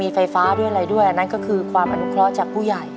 ไฟฟ้าด้วยอะไรด้วยอันนั้นก็คือความอนุเคราะห์จากผู้ใหญ่